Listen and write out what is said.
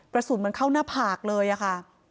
กระสุนมันเข้าหน้าผากเลยอะค่ะ